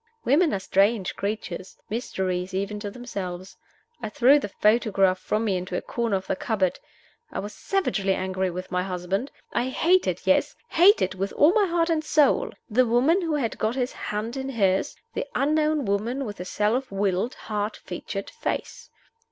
Women are strange creatures mysteries even to themselves. I threw the photograph from me into a corner of the cupboard. I was savagely angry with my husband; I hated yes, hated with all my heart and soul! the woman who had got his hand in hers the unknown woman with the self willed, hard featured face.